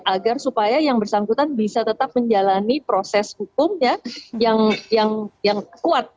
agar supaya yang bersangkutan bisa tetap menjalani proses hukum yang kuat